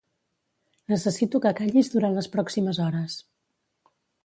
Necessito que callis durant les pròximes hores.